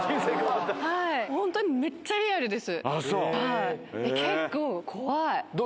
本当に、めっちゃリアルです。